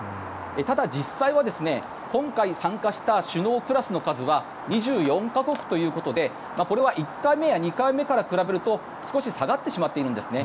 ただ、実際は今回参加した首脳クラスの数は２４か国ということで、これは１回目や２回目から比べると少し下がってしまっているんですね。